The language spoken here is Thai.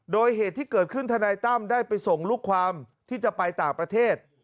โดยเหตุที่เกิดขึ้นทนายตั้มได้ไปส่งลูกความที่จะไปต่างประเทศ